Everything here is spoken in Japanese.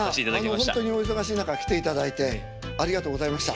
本当にお忙しい中来ていただいてありがとうございました。